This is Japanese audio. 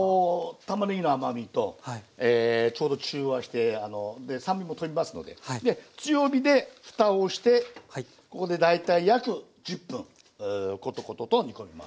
たまねぎの甘みとちょうど中和してで酸味も飛びますのでで強火でふたをしてここで大体約１０分コトコトと煮込みます。